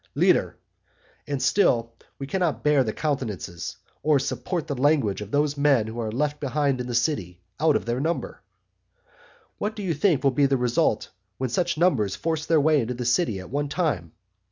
leader; and still we cannot bear the countenances or support the language of those men who are left behind in the city out of their number. What do you think will be the result when such numbers force their way into the city at one time?